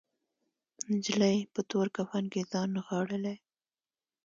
نجلۍ په تور کفن کې ځان نغاړلی